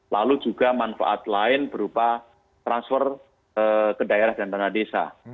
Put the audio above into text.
lalu juga manfaat lain berupa transfer ke daerah dan tanah desa